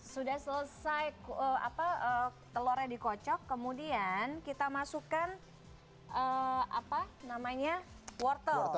sudah selesai telurnya dikocok kemudian kita masukkan wortel